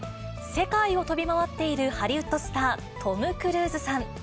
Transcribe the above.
世界を飛び回っているハリウッドスター、トム・クルーズさん。